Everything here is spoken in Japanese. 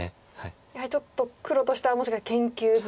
やはりちょっと黒としてはもしかして研究済みの。